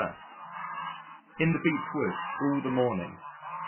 In the Beech Wood all the morning.